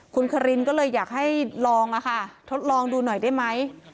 คุณคารินก็เลยอยากให้ลองทดลองดูหน่อยได้ไหม